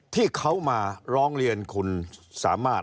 ที่เขามาร้องเรียนคุณสามารถ